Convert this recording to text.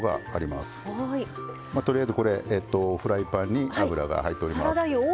まあとりあえずこれフライパンに油が入っております。